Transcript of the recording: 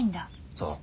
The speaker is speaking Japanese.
そう。